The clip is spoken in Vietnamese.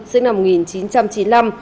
sinh năm một nghìn chín trăm chín mươi năm